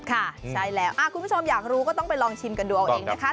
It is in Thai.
ค่ะใช่แล้วคุณผู้ชมอยากรู้ก็ต้องไปลองชิมกันดูเอาเองนะคะ